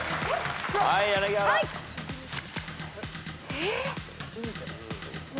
えっ？